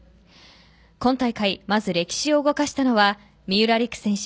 今大会、まず歴史を動かしたのは三浦璃来選手